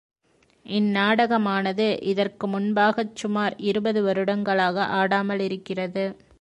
இந் நாடகமானது இதற்கு முன்பாகச் சுமார் இருபது வருடங்களாக ஆடாமலிருக்கிறது.